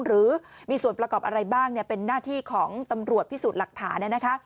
หรือมีส่วนประกอบอะไรบ้างเป็นหน้าที่ของตำรวจพิสูจน์หลักฐานนะคะ